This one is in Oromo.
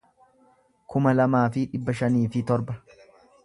kuma lamaa fi dhibba shanii fi torba